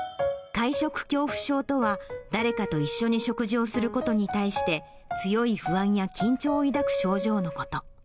会食恐怖症とは、誰かと一緒に食事をすることに対して、強い不安や緊張を抱く症状のこと。